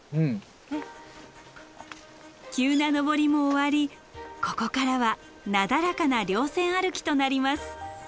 急な登りも終わりここからはなだらかな稜線歩きとなります。